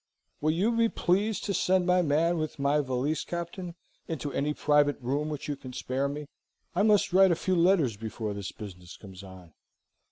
"Will you be pleased to send my man with my valise, Captain, into any private room which you can spare me? I must write a few letters before this business comes on.